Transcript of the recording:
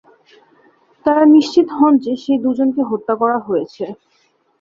তারা নিশ্চিত হন যে সেই দুজনকে হত্যা করা হয়েছে।